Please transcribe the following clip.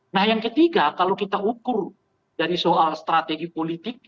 nah yang ketiga kalau kita ukur dari soal strategi politik